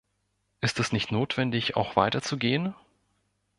Ist es nicht notwendig, auch weiter zu gehen?